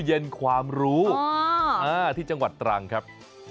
เย็นความรู้ที่จังหวัดตรังครับ